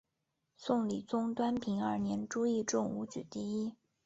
宋理宗端平二年朱熠中武举第一。